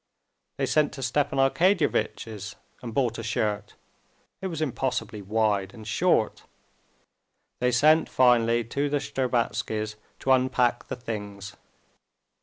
They sent to Stepan Arkadyevitch's and brought a shirt—it was impossibly wide and short. They sent finally to the Shtcherbatskys' to unpack the things.